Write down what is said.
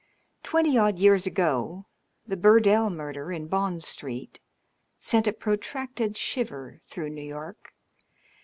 Twenty odd years ago the Burdell murder in Bond Street sent a protracted shiver through New York.